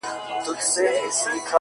پروردگار به تهمت گرو ته سزا ورکوي’